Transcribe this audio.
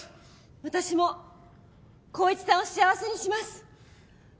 私も紘一さんを幸せにします